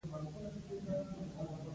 جانکو د ګلاب تېزه خوشبويي احساس کړه.